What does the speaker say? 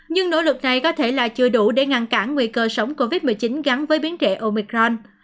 nhưng nỗ lực này có thể là chưa đủ để ngăn cản nguy cơ sống covid một mươi chín gắn với biến trẻ omicron